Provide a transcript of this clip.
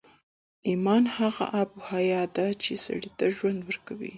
ایمان هغه آب حیات دی چې سړي ته ژوند ورکوي